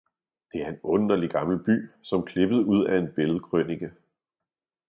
Det er en underlig gammel by, som klippet ud af en billedkrønike.